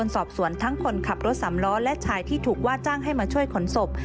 สอบสวนทั้งคนขับรถสามล้อและชายที่ถูกว่าจ้างให้มาช่วยขนศพ